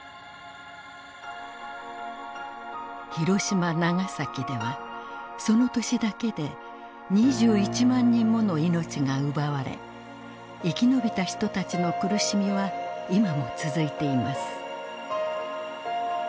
広島長崎ではその年だけで２１万人もの命が奪われ生き延びた人たちの苦しみは今も続いています。